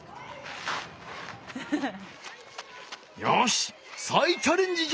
よしさいチャレンジじゃ！